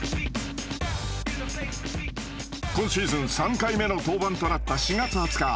今シーズン３回目の登板となった４月２０日。